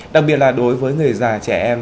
đặc biệt là đối với người già trẻ em